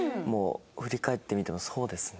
振り返ってみてもそうですね。